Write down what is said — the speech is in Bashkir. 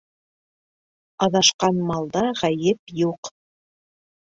Аҙашҡан малда ғәйеп юҡ.